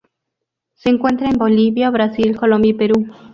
Se encuentra en Bolivia, Brasil, Colombia y Perú.